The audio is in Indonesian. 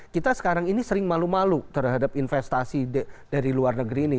kita sekarang ini sering malu malu terhadap investasi dari luar negeri ini